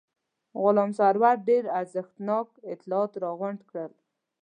غلام سرور ډېر ارزښتناک اطلاعات راغونډ کړل.